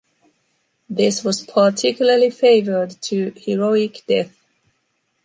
This was particularly favored to “heroic death”.